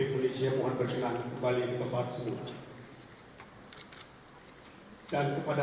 pernah datang ke masjid